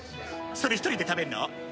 それ一人で食べるの？